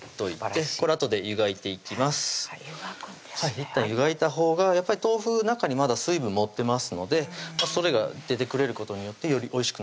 いったん湯がいたほうが豆腐中にまだ水分持ってますのでそれが出てくれることによってよりおいしくなります